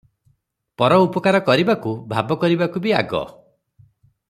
ପର ଉପକାର କରିବାକୁ, ଭାବ କରିବାକୁ ବି ଆଗ ।